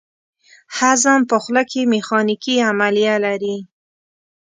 هضم په خوله کې میخانیکي عملیه لري.